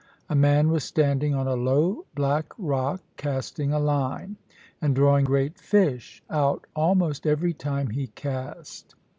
A man was standing on a low black rock, casting a line, and drawing great fish out almost every time he cast.